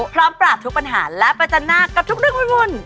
พร้อมปราบทุกปัญหาและประจันหน้ากับทุกเรื่องวุ่น